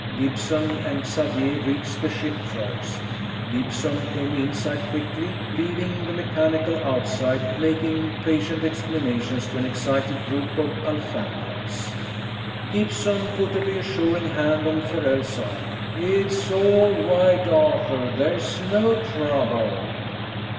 Gibson and Xavier reached the ship first; Gibson came inside quickly, leaving the mechanical outside making patient explanations to an excited group of Alphardians. Gibson put a reassuring hand on Farrell's arm. "It's all right, Arthur. There's no trouble."